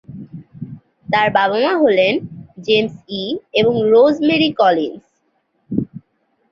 তার বাবা-মা হলেন জেমস ই এবং রোজ মেরি কলিন্স।